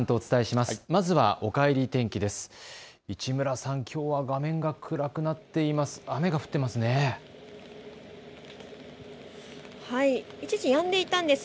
まずは、おかえり天気です。